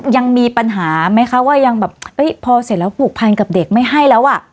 ยังมีปัญหาไหมคะว่ายังแบบเอ้ยพอเสร็จแล้วผูกพันกับเด็กไม่ให้แล้วอ่ะ